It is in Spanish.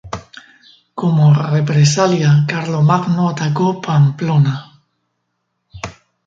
Como represalia, Carlomagno atacó Pamplona.